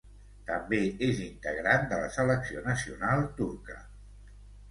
També és integrant de la selecció nacional turca.